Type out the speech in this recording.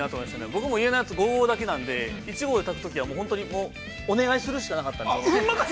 僕も家のやつ、５合炊きなんで１合で炊くとき、本当にお願いするしかなかったんですよ。